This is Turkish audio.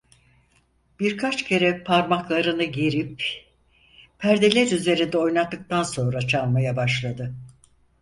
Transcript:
Birkaç kere parmaklarını gerip perdeler üzerinde oynattıktan sonra çalmaya başladı.